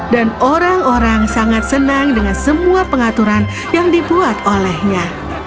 dan orang orang sangat senang dengan semua pengaturan yang dibuat olehnya